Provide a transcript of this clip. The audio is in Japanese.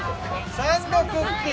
サンドクッキー！